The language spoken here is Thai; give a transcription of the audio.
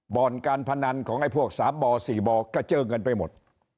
บ่อนการพนันของไอ้พวกสามบ่อสี่บ่อก็เจอกันไปหมด